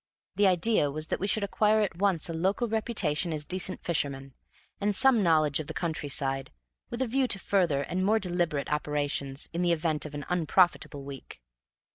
The idea was that we should acquire at once a local reputation as decent fishermen, and some knowledge of the countryside, with a view to further and more deliberate operations in the event of an unprofitable week.